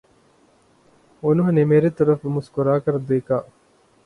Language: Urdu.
انہوں نے میرے طرف مسکرا کر دیکھا